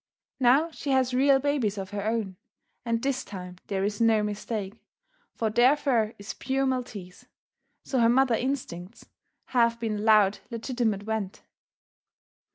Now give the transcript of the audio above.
Now she has real babies of her own, and this time there is no mistake, for their fur is pure Maltese, so her mother instincts have been allowed legitimate vent.